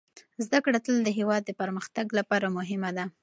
زده کړه تل د هېواد د پرمختګ لپاره مهمه ده.